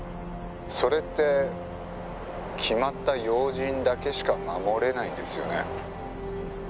「それって決まった要人だけしか護れないんですよね？」